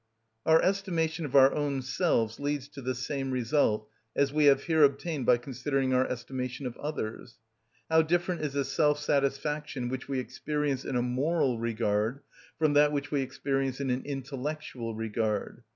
Our estimation of our own selves leads to the same result as we have here obtained by considering our estimation of others. How different is the self satisfaction which we experience in a moral regard from that which we experience in an intellectual regard!